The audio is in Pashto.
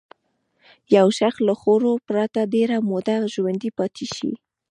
یو شخص له خوړو پرته ډېره موده ژوندی پاتې شي.